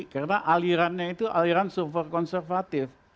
karena alirannya itu aliran super konservatif